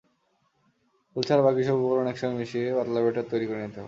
ফুল ছাড়া বাকি সব উপকরণ একসঙ্গে মিশিয়ে পাতলা বেটার তৈরি করে নিতে হবে।